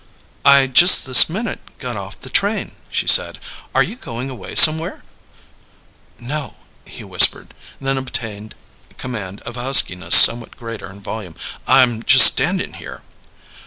"I just this minute got off the train," she said. "Are you going away somewhere?" "No," he whispered; then obtained command of a huskiness somewhat greater in volume. "I'm just standing here."